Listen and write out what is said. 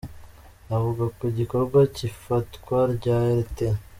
Avuga ku gikorwa cy’ifatwa rya Lt.